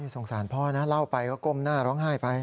สงสารพ่อนะเล่าไปก็ก้มหน้าร้องไห้ไป